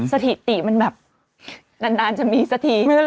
สถิติมันแบบนานจะมีสักที